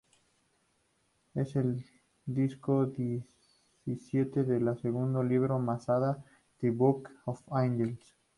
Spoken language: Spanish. Es el disco diecisiete del segundo libro Masada, "The Book of Angels".